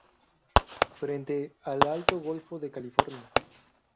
Frente al Alto Golfo de California.